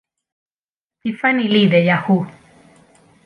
Tiffany Lee de Yahoo!